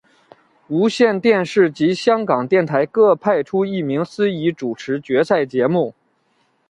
无线电视及香港电台各派出一名司仪主持决赛节目。